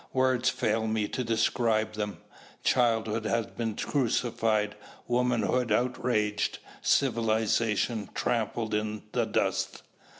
Words fail me to describe them. Childhood has been crucified, womanhood outraged, civilization trampled in the dust.